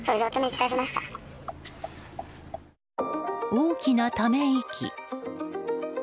大きなため息。